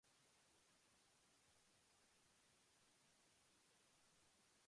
"World Customs Organization Model Customs Law" by World Customs Organization.